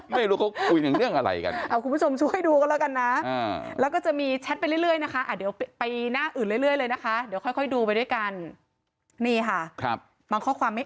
ไม่รู้เขาคุยเรื่องอะไรกันคุณผู้ชมช่วยดูกันแล้วกันนะ